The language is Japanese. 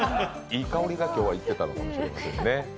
いい香りが今日はいってたかもしれないですね。